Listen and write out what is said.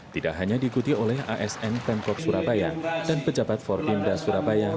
tidak hanya diikuti oleh asn pemprov surabaya dan pejabat forbimda surabaya